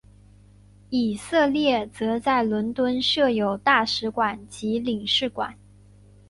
以色列则在伦敦设有大使馆及领事馆。